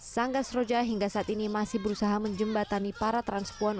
sanggar sroja hingga saat ini masih berusaha menjembatani para transkuan